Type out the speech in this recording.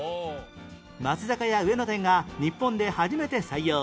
松坂屋上野店が日本で初めて採用